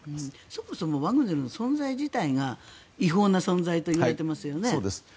そもそもワグネルの存在自体が違法な存在といわれていますよね。